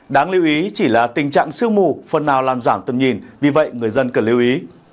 đáng lưu ý chỉ là tình trạng sương mù phần nào làm giảm tâm nhìn vì vậy người dân cần lưu ý